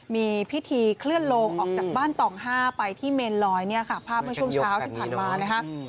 มีพิธีเคลื่อนโลงออกจากบ้านต่อง๕ไปที่เมนลอยเนี่ยค่ะภาพเมื่อช่วงเช้าที่ผ่านมานะคะ